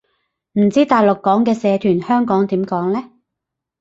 唔知大陸講嘅社團，香港點講呢